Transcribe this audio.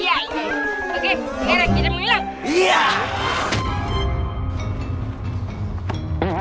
sekarang kita mulai